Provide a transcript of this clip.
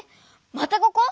またここ？